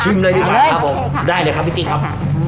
เลยดีกว่าครับผมได้เลยครับพี่ติ๊กครับ